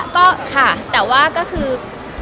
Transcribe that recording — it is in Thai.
ก็ค่ะแต่ว่าก็คือ